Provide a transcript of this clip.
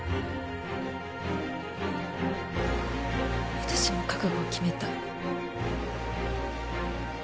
私も覚悟を決めた。